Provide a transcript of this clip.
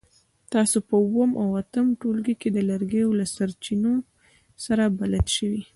تاسو په اووم او اتم ټولګي کې د لرګیو له سرچینو سره بلد شوي.